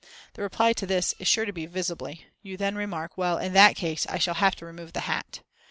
The reply to this is sure to be "Visibly." You then remark: "Well, in that case I shall have to remove the hat."